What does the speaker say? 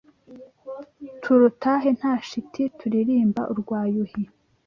Turutahe nta shiti Turirimba urwa Yuhi